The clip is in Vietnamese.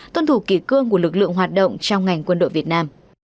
tuân thủ kỳ cương của lực lượng hoạt động trong ngành quân đội việt nam